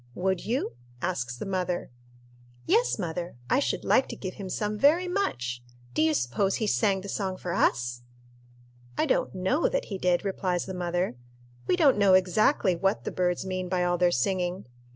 "Would you?" asks the mother. "Yes, mother, I should like to give him some very much. Do you suppose he sang the song for us?" "I don't know that he did," replies the mother. "We don't know exactly what the birds mean by all their singing.